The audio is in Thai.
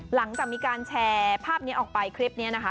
หลังจากมีการแชร์ภาพนี้ออกไปคลิปนี้นะคะ